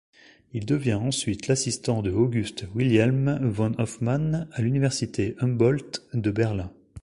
Il devient ensuite l'assistant de August Wilhelm von Hofmann à l'université Humboldt de Berlin.